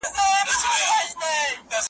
هلک په ډېرې چټکتیا سره د وره خواته منډه کړه.